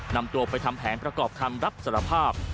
นำตัวไปทำแผนประกอบคำรับสารภาพ